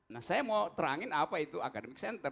nah saya mau terangin apa itu academic center